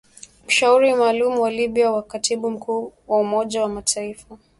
mshauri maalum kwa Libya wa katibu mkuu wa Umoja wa Mataifa